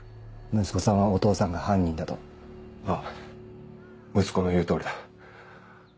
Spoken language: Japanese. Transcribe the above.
息子さんは「お父さんが犯人だ」と。ああ息子の言う通りだ。